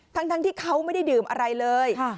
ทั้งที่เขาไม่ได้ดื่มอะไรเลย